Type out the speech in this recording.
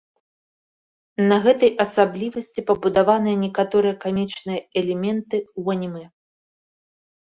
На гэтай асаблівасці пабудаваныя некаторыя камічныя элементы ў анімэ.